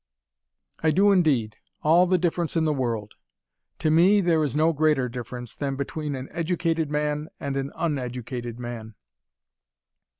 "I do indeed, all the difference in the world To me, there is no greater difference, than between an educated man and an uneducated man."